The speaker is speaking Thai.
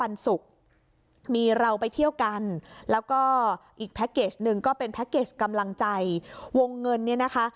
แล้วก็อีกแพ็คเกจหนึ่งก็เป็นแพ็คเกจกำลังใจวงเงินเนี่ยนะคะ